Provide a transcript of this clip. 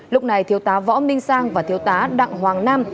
lúc này thiếu tá võ minh sang và thiếu tá đặng hoàng nam